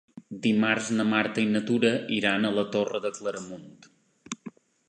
Dimarts na Marta i na Tura iran a la Torre de Claramunt.